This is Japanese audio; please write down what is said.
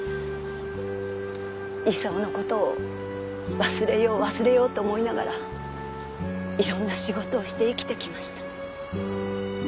功の事を忘れよう忘れようと思いながらいろんな仕事をして生きてきました。